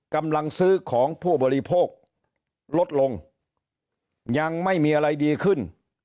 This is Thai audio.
กำลังซื้อของผู้บริโภคลดลงยังไม่มีอะไรดีขึ้น